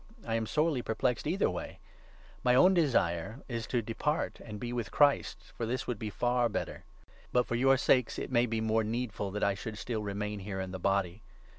I am sorely perplexed either way ! My own 23 desire is to depart and be with Christ, for this would be far better. But, for your sakes, it may be more needful that I 24 should still remain here in the body.